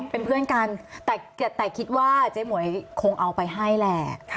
เป็นเพื่อนกันแต่คิดว่าเจ๊หมวยคงเอาไปให้แหละ